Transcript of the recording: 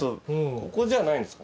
ここじゃないんですかね？